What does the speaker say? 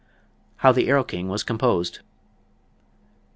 How the "Erlking" was Composed.